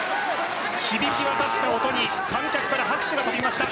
響き渡った音に観客から拍手が飛びました。